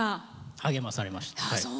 励まされました。